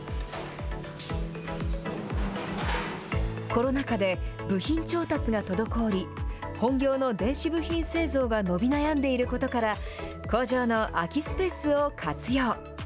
コロナ禍で部品調達が滞り、本業の電子部品製造が伸び悩んでいることから、工場の空きスペースを活用。